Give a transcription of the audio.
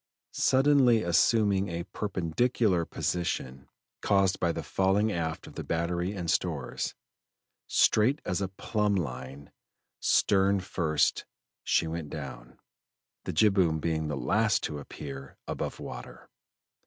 Suddenly assuming a perpendicular position, caused by the falling aft of the battery and stores, straight as a plumb line, stern first, she went down, the jibboom being the last to appear above water.